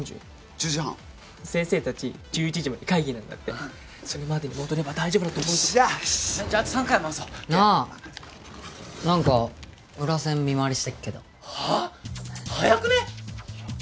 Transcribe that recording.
１０時半先生達１１時まで会議なんだってそれまでに戻れば大丈夫だと思うぞじゃああと３回回そうなあ何か村セン見回りしてっけどはあ！？早くね？